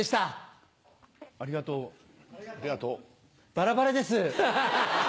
バラバラです。